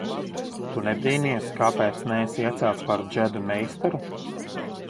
Tu nebrīnies, kāpēc neesi iecelts par džedu meistaru?